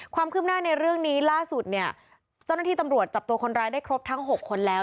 ความคืบหน้าในเรื่องนี้ล่าสุดเนี่ยเจ้าหน้าที่ตำรวจจับตัวคนร้ายได้ครบทั้ง๖คนแล้ว